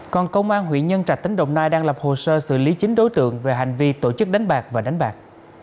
còn công an huyện nhân trạch tỉnh đồng nai đang lập hồ sơ xử lý chín đối tượng về hành vi tổ chức đánh bạc và đánh bạc